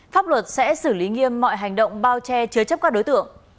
pháp luật sẽ xử lý nghiêm mọi hành động bao che chứa chấp các đối tượng